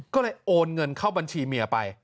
ก็เลยโอนเงินเข้าบัญชีเมียไป